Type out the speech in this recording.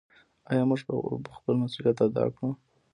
آیا موږ به خپل مسوولیت ادا کړو؟